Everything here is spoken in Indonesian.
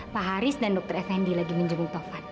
pak haris dan dokter fnd lagi menjemuk taufan